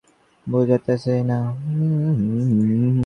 ইন্দ্রিয় অর্থে বাহ্য ইন্দ্রিয়-যন্ত্রকে বুঝাইতেছি না।